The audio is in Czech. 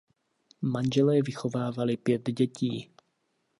Manželé vychovávali pět dětí.